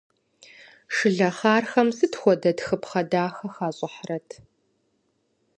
Шылэхъархэм сыт хуэдэ тхыпхъэ дахэ хащӏыхьрэт.